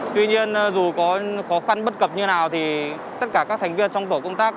tuy nhiên dù có khó khăn bất cập như nào thì tất cả các thành viên trong tổ công tác